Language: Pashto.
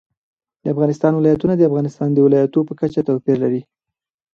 د افغانستان ولايتونه د افغانستان د ولایاتو په کچه توپیر لري.